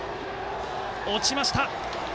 落ちました。